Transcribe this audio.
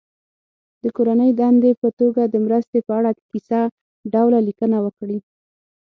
د کورنۍ دندې په توګه د مرستې په اړه کیسه ډوله لیکنه وکړي.